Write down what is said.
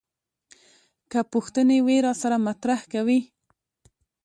که پوښتنې وي راسره مطرح کوي.